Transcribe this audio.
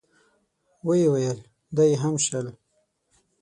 ويې ويل: دا يې هم شل.